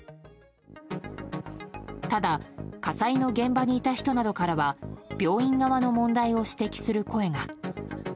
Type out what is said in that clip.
ただ火災の現場にいた人などからは病院側の問題を指摘する声が。